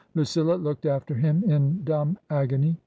Lucilla looked after him in dumb agony.